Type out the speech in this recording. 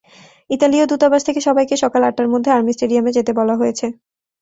ইতালীয় দূতাবাস থেকে সবাইকে সকাল আটটার মধ্যে আর্মি স্টেডিয়ামে যেতে বলা হয়েছে।